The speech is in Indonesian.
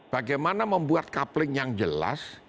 bagaimana membuat coupling yang jelas